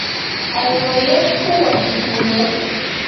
¿aywayashku wakinkuna?